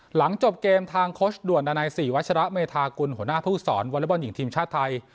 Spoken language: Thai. หลังจบเกมทางโค้ชด่วนดานัยศรีวัชระเมธากุลหัวหน้าผู้สอนวอเล็กบอลหญิงทีมชาติไทย